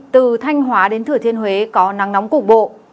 từ thanh hóa đến thửa thiên huế có nắng nóng cục bộ